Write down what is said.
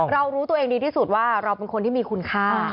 เรารู้ตัวเองดีที่สุดว่าเราเป็นคนที่มีคุณค่า